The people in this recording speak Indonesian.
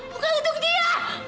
bukan untuk dia